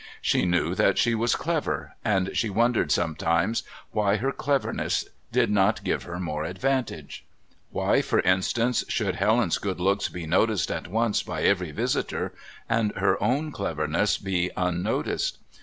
She knew that she was clever, and she wondered sometimes why her cleverness did not give her more advantage. Why, for instance, should Helen's good looks be noticed at once by every visitor and her own cleverness be unnoticed?